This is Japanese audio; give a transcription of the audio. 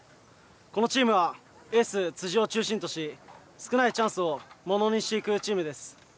このチームはエース、辻を中心とし少ないチャンスをものにしていくチームです。